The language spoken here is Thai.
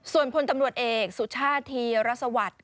ส่วนพลตำรวจเอกสุชาติทีย้วราชวัตตร์